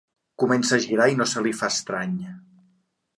Comença a girar i no se li fa estrany.